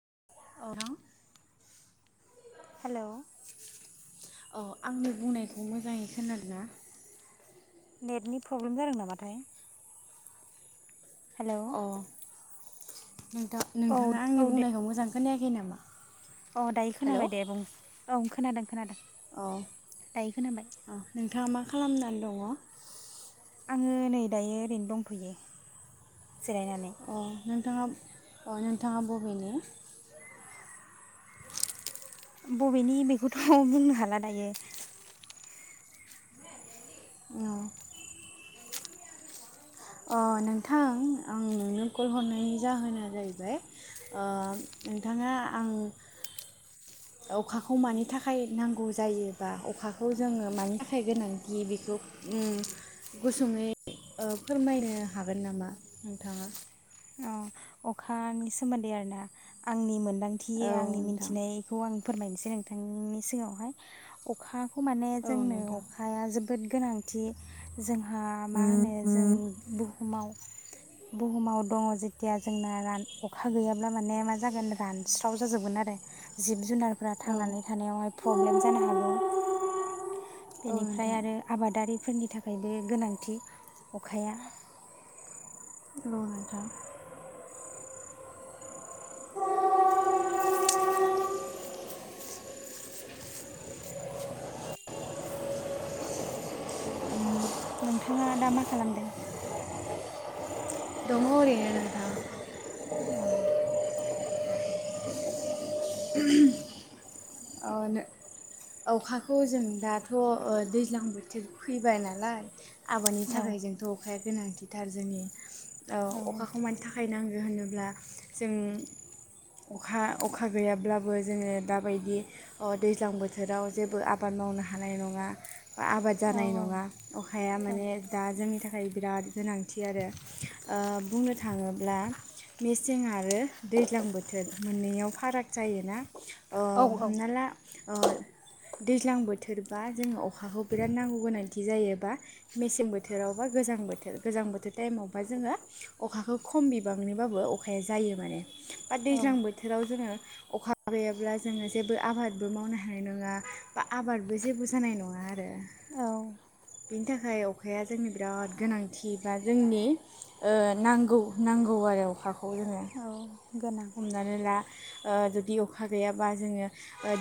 [unintelligible] हेल' औ आंनि बुंनायखौ मोजाङै खोनादों ना? नेटनि प्रब्लेम जादों नामाथाय? हेल' नोंथा नोंथाङा आंनि दे बुंनायखौ मोजांखै खै नामा अ दायो खोनाबाय दे बुं औ खोनादों खोनादों औ दायो खोनाबाय औ नोंथाङा मा खालामनानै दङो आङो नै दायो ओरैनो दंथयो जिरायनानै अ नोंथाङा अ नोंथाङा बबेनि बबेनि बेखौथ बुंनो हाला दायो औ ओ नोंथां आं नोंनो कल हरनायनि जाहोना जाहैबाय ओ नोंथाङा आं अखाखौ मानि थाखाय नांगौ जायोबा अखाखौ जोङो मानि थाखाय गोनांथि बेखौ उम गुसुङै ओ फोरमायनो हागोन नामा नोंथाङा अ अखानि सोमोन्दै आरोना आंनि मोन औ मोनदांथियो आंनि नोंथां मिथिनायखौ आं फोरमायनोसै नोंथांनि सिगाङावहाय अखा खौ माने औ जोंनो नोंथां अखाया जो बोद गोनांथि जोंहा हा मा होनो जों बुहुमाव बुहुमाव दङो जेथिया जोंना रान अखा गैयाब्ला माने मा जागोन रानस्राव जाजोबगोन आरो जिब जुनार फ्रा औ थांनानै थानायावहाय प्रब्लेम जानो हागौ औ बेनिफ्राय नोंथां आरो आबादारि फोरनि थाखायबो गोनांथि अखाया ल नोंथां [unintelligible] नोंथाङा दा मा खालामदों? दंङो ओरैनो नोंथां औ [unintelligible] अ नों अखाखौ जों दाथ ओ दैज्लां बोथोर फैबाय नालाय आबादनि औ थाखाय जोंथ अखाया गोनां थिटार जोंनि औ अखाखौ मानि थाखाय नाङो मानो होनोब्ला जों अखा अखा गैयाब्लाबो जोङो दाबायदि अ दैज्लां बोथोराव जेबो आबाद मावनो हानाय नङा बा आबाद औ जानाय नङा अखाया औ माने दा जोंनि थाखाय ओमफ्राय बिराद गोनांथि आरो ओ बुंनो थाङोब्ला मेसें आरो दैज्लां बोथोर मोननैयाव फाराग जायो ना औ हमनाला ओ दैज्लां बोथोरबा जोङो अखाखौ बिराद नांगौ गोनांथि जायोबा मेसें बोथोराव बा गोजां बोथोर गोजां बोथोर टाइमावबा जोङो अखाखौ खम बिबांनिबाबो अखाया जायो माने बा औ दैज्लां बोथोराव जोङो अखा गैयाब्ला जोङो जेबो आबादबो मावनो हानाय नङा बा आबादबो जेबो जानाय नङा आरो औ बेनि थाखाय अखाया जोंनि बिराद गोनांथि बा जोंनि ओ नांगौ नांगौ आरो अखाखौ जोङो। औ। गोनां हमनानै ला ओ जुदि अखा गैयाबा जोङो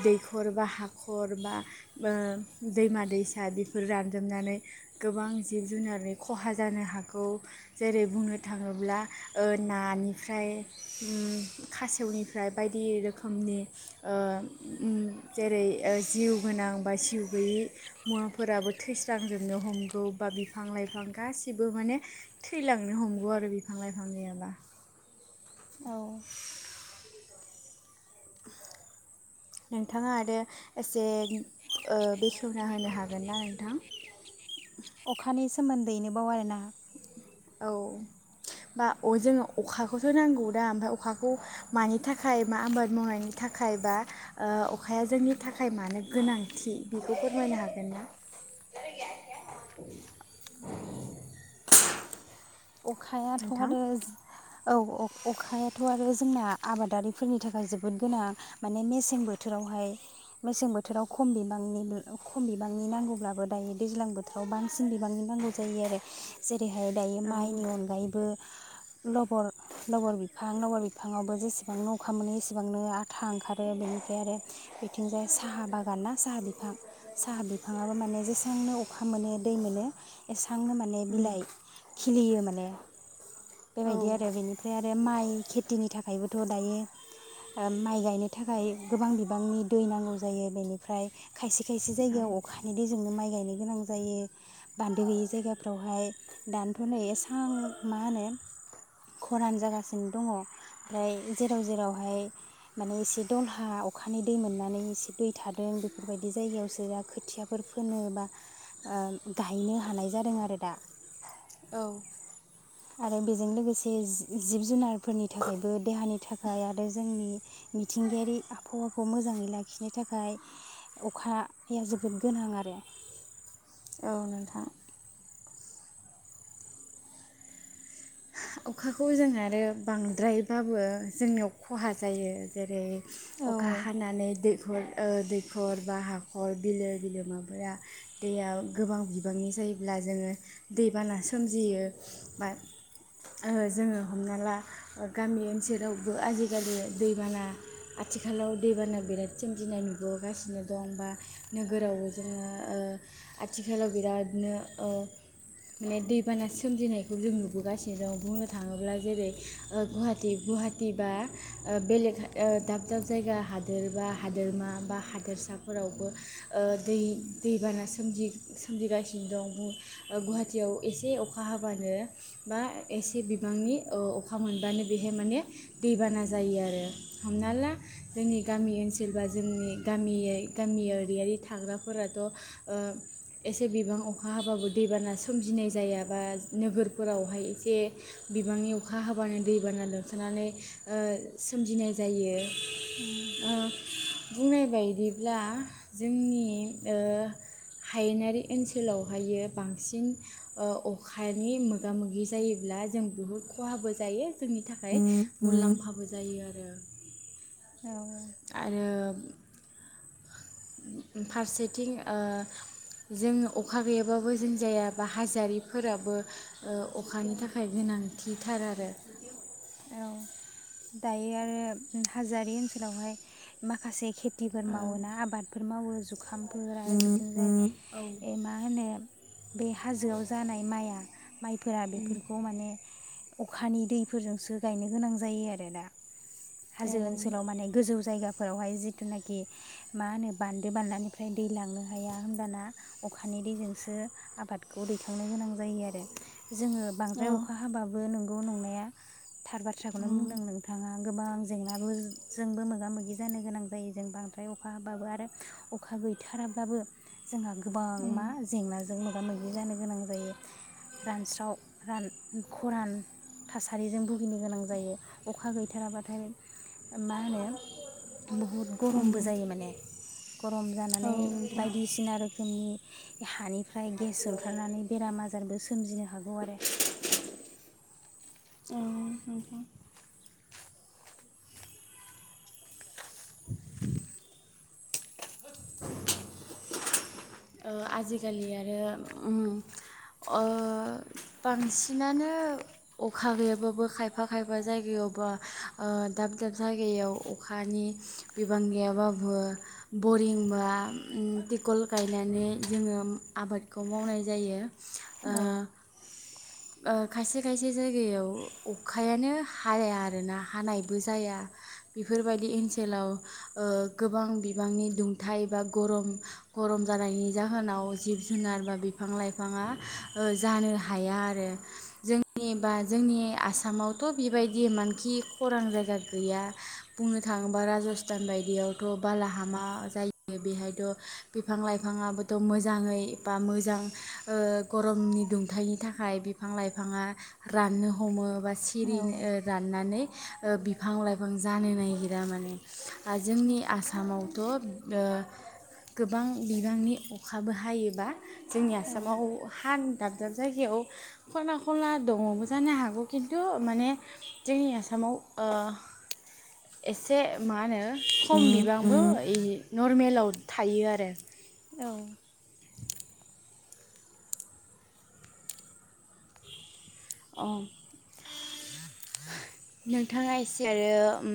दैखर बा हाखर बा दैमा दैसा बेफोर रानजोबनानै गोबां जिब जुनारनि खहा जानो हागौ। जेरै बुंनो थाङोब्ला ओ नानिफ्राय उम खासेवनिफ्राय बायदि रोखोमनि ओ उम जेरै जिउ गोनां बा जिउ गैयि मुवाफोराबो थैस्रांजोबनो हमगौ बा बिफां लाइफां गासिबो माने थैलांनो हमगौ आरो बिफां लाइफां गैयाबा। औ। नोंथाङा आरो एसे ओ बेखेवना होनो हागोन ना नोंथां? अखानि सोमोन्दैनोबाव आरोना? औ बा अ जोङो अखाखौसो नांगौ दा ओमफ्राय अखाखौ मानि थाखाय मा आबाद मावनायनि थाखाय बा ओ अखाया जोंनि थाखाय मानो गोनांथि बेखौ फोरमायनो हागोन ना? अखायाथ' नोंथां आरो औ अ- अखायाथ' आरो जोंना आबादारिफोरनि थाखाय जोबोद गोनां माने मेसें बोथोरावहाय मेसें बोथोराव ख-खम बिबांनि खम बिबांनि नांगौब्लाबो दायो दैज्लां बोथोराव बां बांसिन बिबांनि नांगौ जायो आरो जेरैहाय औ माइनि अनगायैबो लबर लबर बिफां लबर बिफाङावबो जेसेबांनो अखा मोनो एसेबांनो आथा ओंखारो बेनिफ्राय आरो बेथिंजाय साहा बागान ना साहा बिफां साहा बिफाङाबो माने जेसांनो अखा मोनो दै मोनो एसां। सांनो माने बिलाइ बियो माने औ बेबायदि आरो बेनिफ्राय आरो माइ खेथिनि थाखायबो थ' दायो ओ माइ गायनो थाखाय गोबां बिबांनि दै नांगौ जायो बेनिफ्राय खायसे खायसे जायगायाव अखानि दै जोंनो माइ गायनो गोनां जायो बान्दो गैयै जायगाफ्रावहाय दानथ' नै एसां मा होनो खरान जागासिनो दङ ओमफ्राय जेराव जेरावहाय माने एसे दलहा अखानि दै मोननानै एसे दै थादों बेफोरबायदि जायगायावसो दा खोथियाफोर फोनो बा गायनो ओ हानाय जादों आरो दा औ आरो बेजों लोगोसे जि-जिब जुनारफोरनि थाखायबो देहानि थाखाय आरो जोंनि मिथिंगायारि आबहावाखौ मोजाङै लाखिनो थाखाय अखाया जोबोद गोनां आरो औ नोंथां अखाखौ जों आरो बांद्रायबाबो जोंनियाव खहा जायो। ‌ जेरै औ अखा हानानै दै दैखर ओ दैखर बा हाखर बिलो बिलोमाफोरा दैया गोबां बिबांनि जायोब्ला जोङो दैबाना सोमजियो बा जोङो हमना ला गामि ओनसोलावबो आजिखालि दैबाना आथिखालाव दैबाना बिराद सोमजिनाय नुबोगासिनो दं बा नोगोरावबो जोङो आथिखालाव बिरादनो ओ माने दैबाना सोमजिनायखौ जों नुबोगासिनो। बुंनो थाङोब्ला जेरै ओ गुवाहाटि गुवाहाटि बा बेलेग दाब दाब जायगा हादोर बा हादोरमा बा हादोरसाफोरावबो ओ दै दैबाना सोमजिगासिनो दं। बुं गुवाहाटियाव एसे अखा हाबानो बा एसे बिबांनि ओ अखा मोनबानो बेहाय माने दैबाना जायो आरो हमना ला जोंनि गामि ओनसोल बा जोंनि गामि गामि गामियारि थाग्राफोराथ' ओ एसे बिबां अखा हाबाबो दैबाना सोमजिनाय जायाबा नोगोरफोराव। बेवहाय एसे बिबांनि अखा हाबानो दैबाना लोमसानानै ओ सोमजिनाय जायो। उम ओ बुंनाय बायदिब्ला जोंनि ओ हायेनारि ओनसोलावहायो बांसिन ओ अखानि मो मोगा मोगि जायोब्ला जों बुहुद खहाबो जायो जोंनि थाखाय मुलाम्फाबो जायो आरो औ आरो फारसेथिं ओ जों अखा गैयाबाबो जों जायाबा हाजोरिफोराबो ओ अखानि थाखाय गोनांथिथार आरो औ दायो आरो हाजोआरि ओनसोलावहाय माखासे खे खेथिफोर ओ, मावोना आबादफोर मावो जुखाम। फोर आरो उम बिथिंजाय उम ए मा होनो बे हाजोआव जानाय माइआ। माइफोरा बेफोरखौ माने अखानि दैफोरजोंसो गायनो गोनां जायो आरोना। औ हाजो ओनसोलाव माने गोजौ जायगा। फोरावहाय जिथुनाखि मा होनो बान्दो बानलानिफ्राय दै लांनो हाया होनबाना अखानि दैजोंसो आबादखौ दैखांनो गोनां जायो आरो। जोङो औ बांद्राय अखा हाबाबो गौ नंनाया। थार बाथ्राखौनो बुंदों नोंथाङा। गोबां जेंनाबो जोंबो मोगा मोगि जानो गोनां जायो जों बांद्राय अखा हाबाबो आरो अखा गैथाराब्लाबो जोंहा गोबां गोबां मा जेंनाजों मोगा मोगि जानो गोनां जायो। रानस्राव रान खरान थासा सारिजों भुगिनो गोनां जायो अखा गैथाराबाथाय। मा होनो बहुद गरमबो जायो माने गरम औ जानानै नोंथां बायदिसिना रोखोमनि हानि फ्राय गेस ओंखारनानै बेरामा आ जारबो सोमजिनो हागौ आरो। ओं नोंथां। [inaudible] [inaudible] ओ आजिखालि आरो ओम ओ बांसिनानो अखा गैयाबाबो खायफा खायफा जायगायाव बा ओ दाब दाब जायगायाव अखानि बिबां गैयाबाबो बरिं बा ओ थिकल गायनानै जोङो आबादखौ मावनाय जायो आ औ ओ खायसे खायसे जायगायाव अखायानो हाया आरोना हानायबो जाया बेफोरबायदि इनसोलाव ओ गोबां बिबांनि दुंथाइ बा गरम गरम जानायनि जाहोनाव जिब जुनार बा बिफां लाइफाङा ओ जानो हाया आ रो जोंनि बा जोंनि आसामावथ' बेबायदि मानखि खरां जायगा गैया बुंनो थाङोबा राजस्थान बायदियावथ' बालाहामा जायो बेहायथ' बिफां लाइफाङाबोथ' मोजाङै बा मोजां ओ गरमनि दुंथायनि थाखाय। फां लाइफांआ राननो हमो बा सिरि औ ओ राननानै ओ बिफां लाइफां जानो नागिरा माने जोंनि आसामावथ' ओ गोबां बिबांनि अखाबो हायोबा। जोंनि औ आसामआव हान दाब दाब जायगायाव खना खनला दङबो जानो हागौ खिन्थु माने जोंनि आसामआव ओ एसे मा होनो खम बिबांबो इ नरमेलाव थायो आरो। औ। अ होह नोंथाङा एसे आरो ओम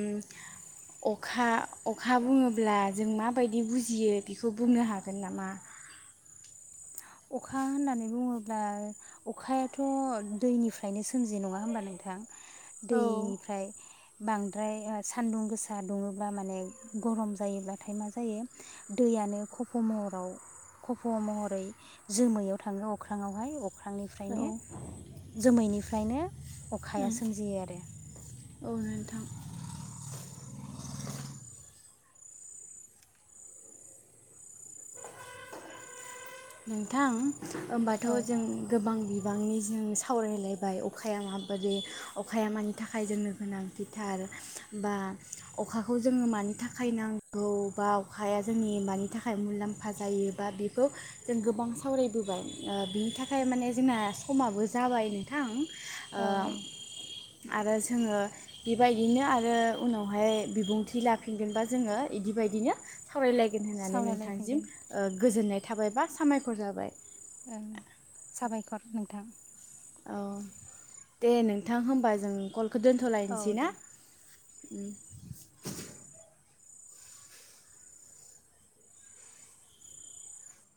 अखा अखा बुङोब्ला जों माबायदि बुजियो बेखौ बुंनो हागोन नामा। अखा होननानै बुङोब्ला दा अखायाथ' दैनिफ्रायनो सोमजि नङा होमबा नोंथां? औ दैनिफ्राय बांद्राय सान्दुं गोसा दुङोब्ला माने गरम जायोब्लाथाय मा जायो दैयानो खफ महराव खफ महरै जोमैयाव थाङो अख्रांआवहाय औ अख्रांनिफ्रायनो जोमैनि ओंखायनो अखाया सोमजियो आरो औ नोंथां नोंथां होमबाथ औ जों गोबां बिब गोबांनि जों सावरायलायबाय अखाया माबादि अखाया मानि थाखाय जोंनो गोनांथिथार बा अखाखौ जोङो मानि थाखाय नांगौ बा अखाया जोंनि मानि थाखाय मुलाम्फा जायो बा बेखौ जों गोबां सावरायबोबाय ओ बिनि थाखाय माने जोंना समाबो जाबाय नोंथां ओ औ आरो जोङो बेबायदिनो आरो उनावहाय बिबुंथि लाफिनगोनबा जोङो बिदिबायदिनो सावरायलायगोन होननानै नोंथांसिम सावरायलायफिनगोन ओ गोजोननाय थाबायबा सामायखर जाबाय ओं साबायखर नोंथां औ दे नोंथां होमबा जों कल बेखौ दोनथ औ लायनोसै ना? दे उ